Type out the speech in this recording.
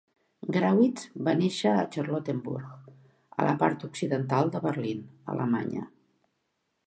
Grawitz va néixer a Charlottenburg, a la part occidental de Berlín, Alemanya.